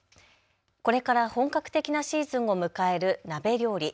これから本格的なシーズンを迎える鍋料理。